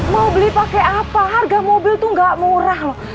mau beli pakai apa harga mobil itu gak murah loh